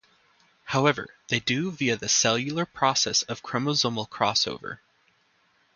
However, they do, via the cellular process of chromosomal crossover.